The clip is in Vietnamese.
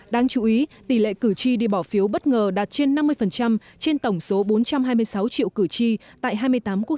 đáng chú ý tỷ lệ cử tri đi bỏ phiếu bất ngờ đạt trên năm mươi trên tổng số bốn trăm hai mươi sáu triệu cử tri tại hai mươi tám quốc